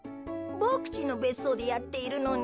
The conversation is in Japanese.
ボクちんのべっそうでやっているのに。